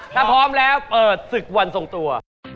ถ้าพร้อมปิดศึกวันส่งตัว